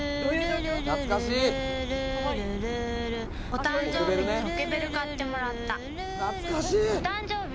お誕生日にポケベル買ってもらった。